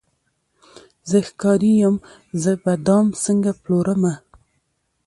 زه ښکاري یم زه به دام څنګه پلورمه